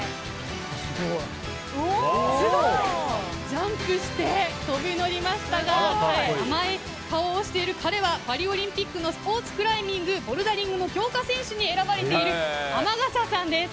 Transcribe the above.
ジャンプして飛び乗りましたが甘い顔をしている彼はパリオリンピックのスポーツクライミングボルダリングの強化選手に選ばれている天笠さんです。